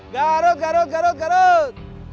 garut garut garut garut